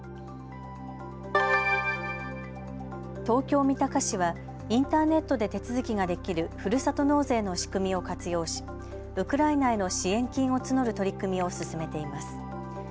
東京三鷹市はインターネットで手続きができるふるさと納税の仕組みを活用しウクライナへの支援金を募る取り組みを進めています。